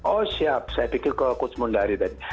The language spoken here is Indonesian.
oh siap saya pikir kalau coach mundari tadi